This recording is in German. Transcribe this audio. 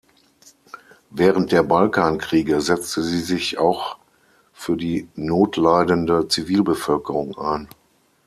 Während der Balkankriege setzte sie sich auch für die notleidende Zivilbevölkerung ein.